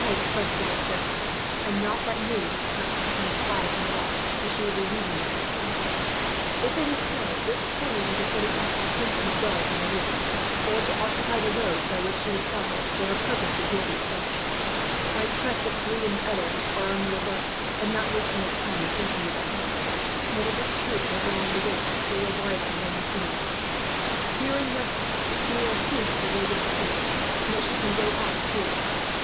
"I trust it is so, and not that news has come, from some spy at Nerac, that she will leave the place tonight. If it is so, this party may be setting out to strengthen the guards on the river; or to occupy the roads by which she would travel, were her purpose to join the seneschal. "I trust that Pierre and the others are on the alert, and not wasting their time in thinking about me; and that, if this troop make along the river, they will ride to warn the queen in time. Hearing nothing, she will assume that the road is clear, and that she can go on fearlessly.